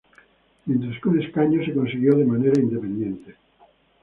Mientras que un escaño se consiguió de manera independiente.